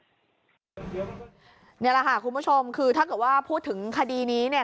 นี่แหละค่ะคุณผู้ชมคือถ้าเกิดว่าพูดถึงคดีนี้เนี่ย